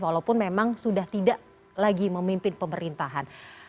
walaupun memang sudah tidak lagi memimpin pemerintahan